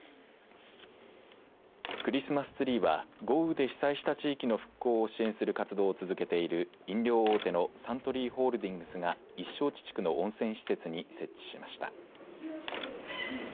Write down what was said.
クリスマスツリーは豪雨で被災した地域の復興を支援する活動を続けている飲料大手のサントリーホールディングスが一勝地地区の温泉施設に設置しました。